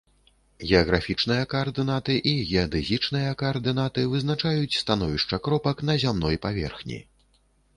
Геаграфічныя каардынаты і геадэзічныя каардынаты вызначаюць становішча кропак на зямной паверхні.